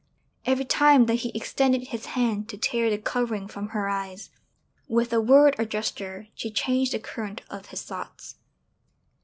Every time that he extended his hand to tear the covering from her eyes, with a word or gesture she changed the current of his thoughts.